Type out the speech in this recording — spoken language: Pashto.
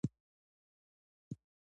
ورزش کول د وزن په کمولو کې مرسته کوي.